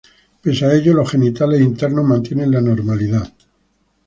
Pese a ello, los genitales internos mantienen la normalidad.